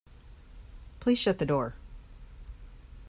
Please shut the door.